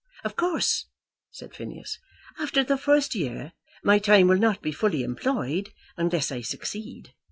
"Of course," said Phineas, "after the first year my time will not be fully employed, unless I succeed.